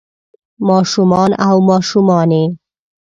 ما شومان او ماشومانے